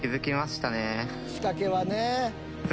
仕掛けはね。